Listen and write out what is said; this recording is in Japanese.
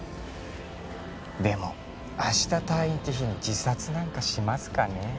でも明日退院って日に自殺なんかしますかねえ？